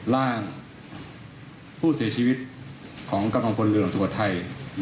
ร่างผู้เสียชีวิตของกำลังพลเรืองสุโขทัย